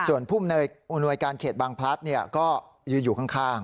ส่วนผู้พบนัยอุณโวยการเขตบางพลัดก็อยู่ข้าง